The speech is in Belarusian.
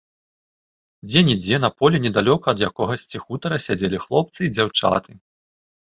Дзе-нідзе на полі недалёка ад якогасьці хутара сядзелі хлопцы і дзяўчаты.